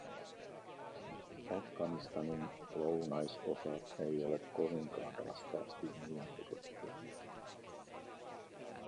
Afganistanin lounaisosa ei ole kovinkaan raskaasti miinoitettu.